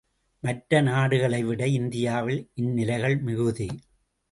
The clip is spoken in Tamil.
மற்ற நாடுகளைவிட இந்தியாவில் இந்நிலைகள் மிகுதி.